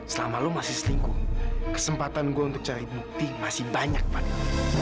selama lo masih selingkuh kesempatan gue untuk cari bukti masih banyak padamu